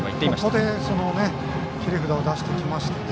ここで切り札を出してきましたね。